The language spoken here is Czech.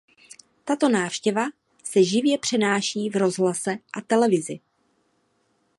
Tato návštěva se živě přenáší v rozhlase a televizi.